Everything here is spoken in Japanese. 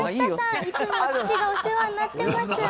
いつも父がお世話になっています。